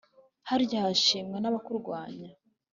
harya hashimwa n'abakurwanya